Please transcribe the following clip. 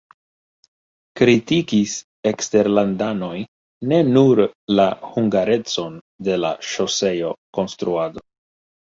Kritikis eksterlandanoj ne nur la hungarecon de la ŝoseo-konstruado.